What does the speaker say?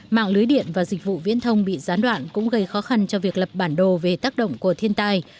mạng lưới điện và dịch vụ viễn thông bị gián đoạn cũng gây khó khăn cho việc lập bản đồ về tác động của thiên tai